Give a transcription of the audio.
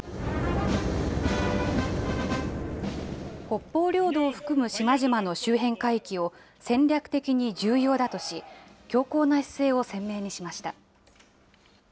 北方領土を含む島々の周辺海域を、戦略的に重要だとし、強硬な姿勢を鮮明にしました。